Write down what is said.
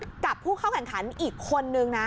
เพราะมันกลับไปถึงผู้เข้าแข่งขันอีกคนนึงนะ